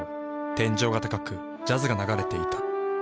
天井が高くジャズが流れていた。